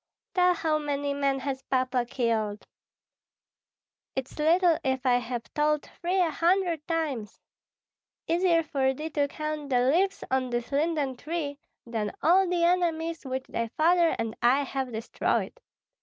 "Tell how many men has Papa killed?" "It's little if I have told thee a hundred times! Easier for thee to count the leaves on this linden tree than all the enemies which thy father and I have destroyed.